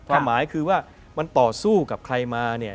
ความหมายคือว่ามันต่อสู้กับใครมาเนี่ย